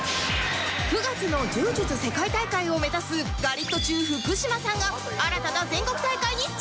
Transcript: ９月の柔術世界大会を目指すガリットチュウ福島さんが新たな全国大会に挑戦！